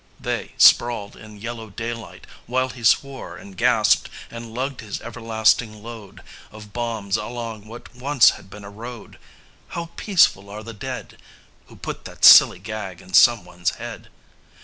"_ They sprawled in yellow daylight while he swore And gasped and lugged his everlasting load Of bombs along what once had been a road. "How peaceful are the dead." Who put that silly gag in some one's head?